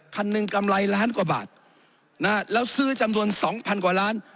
คันหนึ่งกำไรล้านกว่าบาทนะฮะแล้วซื้อจำนวนสองพันกว่าล้าน